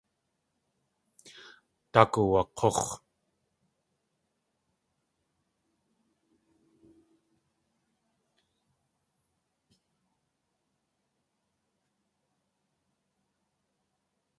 Daak uwak̲úx̲.